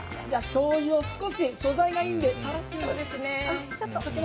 しょうゆを少し、素材がいいんで、少しだけ。